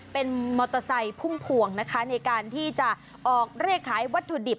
เป็นมอเตอร์ไซค์พุ่มพวงนะคะในการที่จะออกเลขขายวัตถุดิบ